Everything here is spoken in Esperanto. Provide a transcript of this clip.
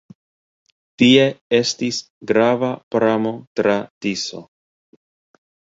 Tie estis grava pramo tra Tiso.